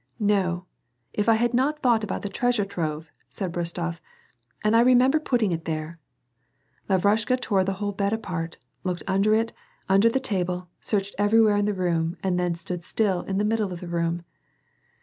" No, if I had not thought about the treasure trove "— said Rostof, '' and I remember putting it there." Lavrushka tore the whole bed apart, looked under it, under the table, searched everywhere in the room and then stood still in the middle of the room.